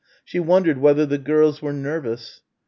She wondered whether the girls were nervous.